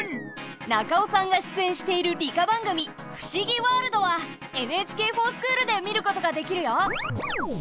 中尾さんが出演している理科番組「ふしぎワールド」は「ＮＨＫｆｏｒＳｃｈｏｏｌ」で見ることができるよ！